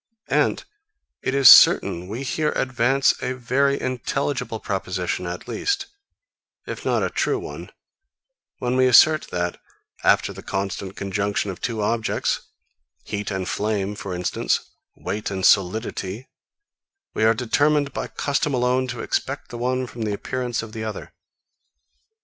And it is certain we here advance a very intelligible proposition at least, if not a true one, when we assert that, after the constant conjunction of two objects heat and flame, for instance, weight and solidity we are determined by custom alone to expect the one from the appearance of the other.